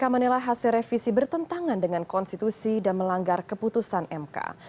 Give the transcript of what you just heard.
menilai hasil revisi bertentangan dengan konstitusi dan melanggar keputusan mk